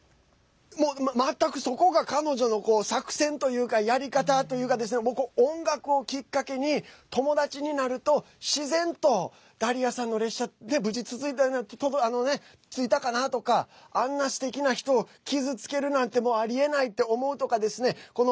全くそこが彼女の作戦というかやり方というか音楽をきっかけに友達になると自然と、ダリアさんの列車無事、着いたかなとかあんな、すてきな人を傷つけるなんてありえないと思うとかですね